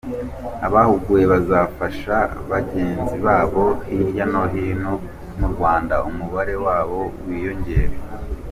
Abahuguwe bazafasha bagenzi babo hirya no hino mu Rwanda, umubare wabo wiyongere.